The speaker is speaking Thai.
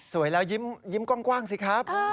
แล้วยิ้มกว้างสิครับ